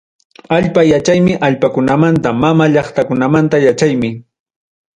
Allpa yachaymi allpakunamanta, mama llaqtakunamanta yachaymi.